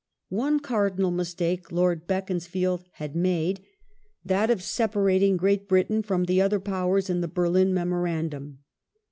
One cardinal mistake Lord Beaconsfield had made — that of sepa rating Great Britain from the other Powers in the Berlin Memor andum.